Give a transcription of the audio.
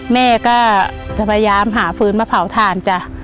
แม่ก็จะพยายามหาฟื้นมาเผาถ่านจ้ะ